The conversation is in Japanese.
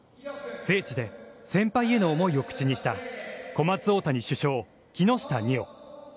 聖地で先輩への思いを口にした小松大谷主将、木下仁緒。